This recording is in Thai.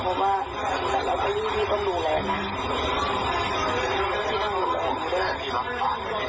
เพราะว่าแต่เราก็รู้พี่ต้องดูแล